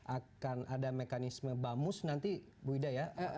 akan ada mekanisme bamus nanti bu ida ya